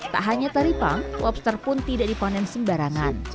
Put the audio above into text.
tak hanya taripak lobster pun tidak dipanen sembarangan